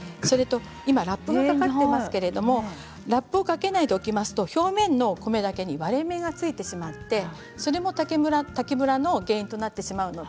今、ラップがかかってますけれどラップをかけないでおきますと表面のお米に割れ目がついてしまってそれも炊きムラの原因になってしまいます。